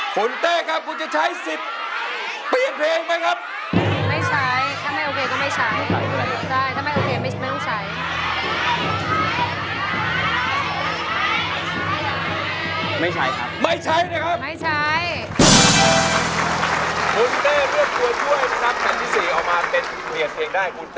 คุณเต้ครับคุณจะใช้สิทธิ์เปลี่ยนเพลงไหมครับ